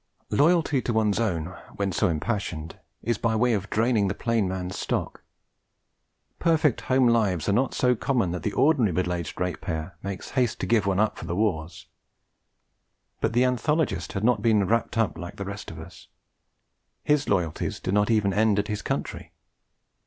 Loyalty to one's own, when so impassioned, is by way of draining the plain man's stock: perfect home lives are not so common that the ordinary middle aged ratepayer makes haste to give up one for the wars. But the anthologist had not been 'wrapped up' like the rest of us. His loyalties did not even end at his country.